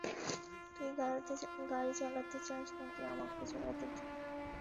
তুই গাড়ি চালাতে চাস নাকি আমাকে চালাতে দিবি?